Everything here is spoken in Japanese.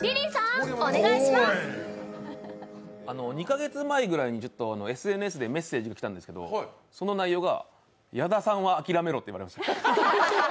２カ月前ぐらいにＳＮＳでメッセージ来たんですけどその内容が、矢田さんはあきらめろって言われました。